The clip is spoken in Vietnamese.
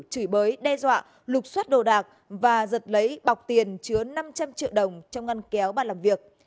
chửi bới đe dọa lục xoát đồ đạc và giật lấy bọc tiền chứa năm trăm linh triệu đồng trong ngăn kéo bà làm việc